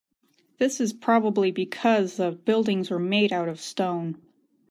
This is probably because the buildings were made out of stone.